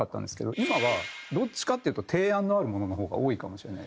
今はどっちかっていうと提案のあるものの方が多いかもしれないですね。